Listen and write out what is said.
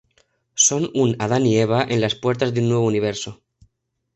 Son un "Adán y Eva" en las puertas de un nuevo universo.